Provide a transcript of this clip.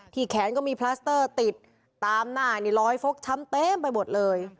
แขนก็มีพลัสเตอร์ติดตามหน้านี่รอยฟกช้ำเต็มไปหมดเลย